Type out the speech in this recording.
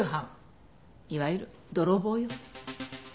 いわゆる泥棒よ。